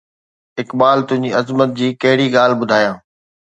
اقبال، تنهنجي عظمت جي ڪهڙي ڳالهه ٻڌايان؟